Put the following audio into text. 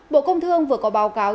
bộ công thương vừa có báo cáo